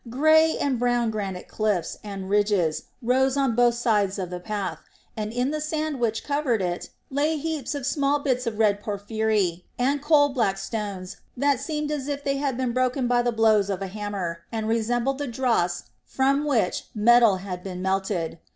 Grey and brown granite cliffs and ridges rose on both sides of the path, and in the sand which covered it lay heaps of small bits of red porphyry and coal black stones that seemed as if they had been broken by the blows of a hammer and resembled the dross from which metal had been melted.